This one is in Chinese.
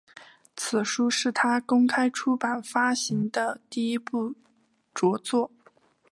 此书是他公开出版发行的第一部着作。